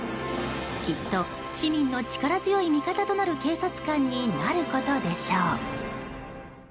きっと市民の力強い味方となる警察官になることでしょう。